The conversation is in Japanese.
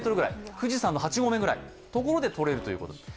富士山の８合目ぐらいのところでとれるということです。